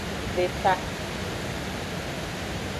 Veka.